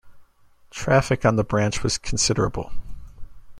Traffic on the branch was considerable.